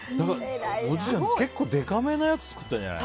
おじいちゃん、結構でかめのを作ったんじゃない？